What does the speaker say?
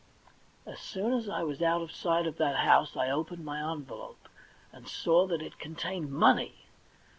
As soon as I was out of sight of that house I opened my envelope, and saw that it contained money